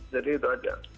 jadi itu aja